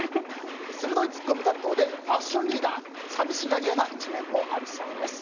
鋭いツッコミ担当でファッションリーダー寂しがり屋な一面もあるそうです。